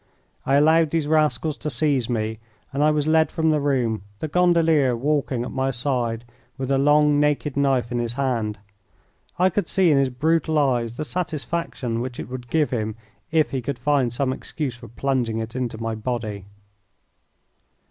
I allowed these rascals to seize me, and I was led from the room, the gondolier walking at my side with a long naked knife in his hand. I could see in his brutal eyes the satisfaction which it would give him if he could find some excuse for plunging it into my body.